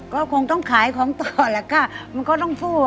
ก็คงต้องขายของต่อแหละค่ะมันก็ต้องสู้